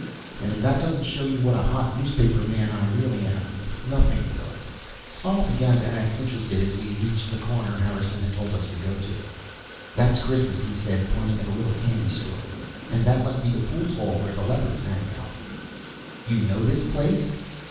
And if that doesn't show you what a hot newspaperman I really am, nothing will. Sol began to act interested as we reached the corner Harrison had told us to go to. "That's Chris's," he said, pointing at a little candy store. "And that must be the pool hall where the Leopards hang out." "You know this place?"